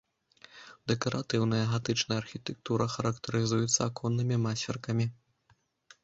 Дэкаратыўная гатычная архітэктура характарызуецца аконнымі масверкамі.